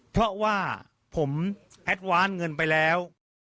เพราะว่าผมแอดวานเงินไปแล้ว